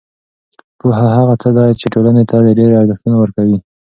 پوهه هغه څه ده چې ټولنې ته د ډېری ارزښتونه ورکوي.